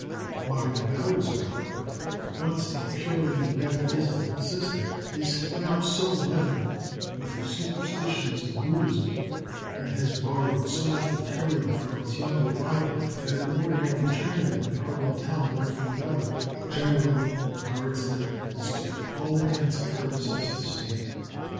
Modern Taoism, however, once a purely metaphysical system, is now so leavened with the superstitions of Buddhism, and has borrowed so much material from its younger rival, that an ordinary Chinaman can hardly tell one from the other, and generally regards them as to all intents and purposes the same.